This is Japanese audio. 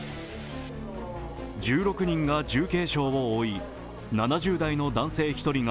１６人が重軽傷を負い、７０代の男性１人が